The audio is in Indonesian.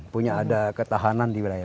punya ada ketahanan di wilayah